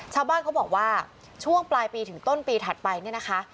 ชาวบ้านเขาบอกว่าช่วงปลายปีถึงต้นปีถัดไปเนี่ยนะคะ